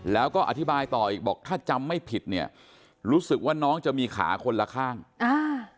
แล้วก็อธิบายต่ออีกบอกถ้าจำไม่ผิดเนี่ยรู้สึกว่าน้องจะมีขาคนละข้างอ่า